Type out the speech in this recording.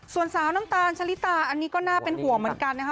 ส่วนสาวน้ำตาลชะลิตาอันนี้ก็น่าเป็นห่วงเหมือนกันนะคะ